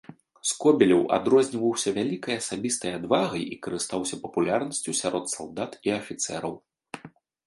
Скобелеў адрозніваўся вялікай асабістай адвагай і карыстаўся папулярнасцю сярод салдат і афіцэраў.